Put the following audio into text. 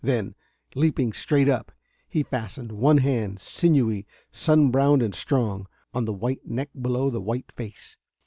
Then, leaping straight up, he fastened one hand, sinewy, sun browned and strong, on the white neck below the white face.